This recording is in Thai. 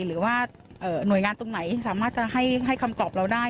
หรือว่าหน่วยงานตรงไหนสามารถจะให้คำตอบเราได้